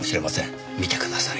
見てください。